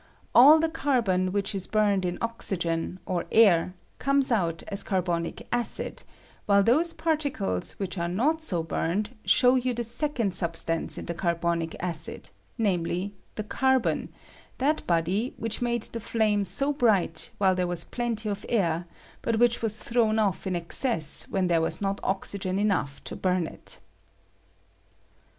All the carbon which is burned in oxygen, or air, comes out as carbonic acid, while those par ticles which arc not so bumed show you the ■ second substance in the carbonic acid, namely, the carbon — that body which made the flame so bright while there was plenty of air, but which was thrown off in excess when there was not oxygen enough to bum it.